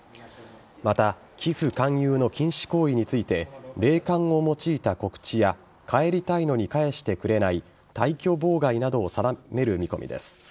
また寄付勧誘の禁止行為について霊感を用いた告知や帰りたいのに帰してくれない退去妨害などを定める見込みです。